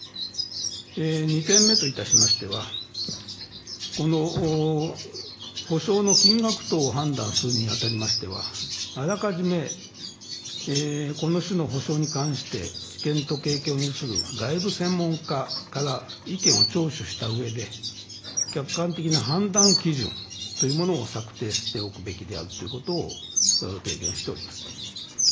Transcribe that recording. ２点目といたしましては補償の金額等を判断するに当たりましてあらかじめこの種の補償に関して知見と経験を有する外部専門家から意見を聴取したうえで客観的な判断基準というものを策定するべきであると提言しております。